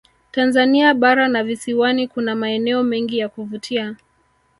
tanzania bara na visiwani kuna maeneo mengi ya kuvutia